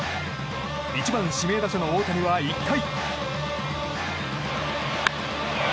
１番指名打者の大谷は１回。